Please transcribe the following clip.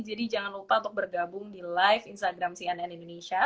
jadi jangan lupa untuk bergabung di live instagram cnn indonesia